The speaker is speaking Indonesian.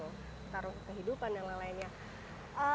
taruh kehidupan dan lain lainnya